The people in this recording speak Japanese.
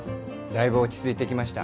だいぶ落ち着いてきました。